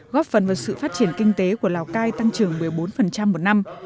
góp phần vào sự phát triển kinh tế của lào cai tăng trưởng một mươi bốn một năm